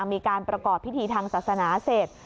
มีการประกอบพิธีทางศาสนาเสร็จ